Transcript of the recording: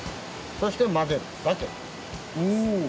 そして混ぜるだけ。